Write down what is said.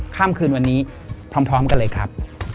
ข้ามคืนวันนี้พร้อมกันเลยครับ